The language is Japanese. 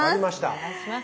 お願いします。